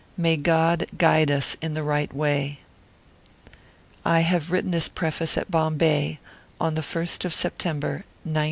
May God guide us in the right way. / have written this preface at Bombay, on the ist September, 1916.